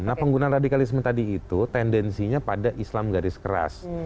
nah penggunaan radikalisme tadi itu tendensinya pada islam garis keras